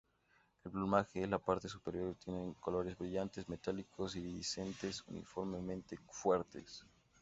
El plumaje en la parte superior tiene colores brillantes metálicos iridiscentes uniformemente fuertes.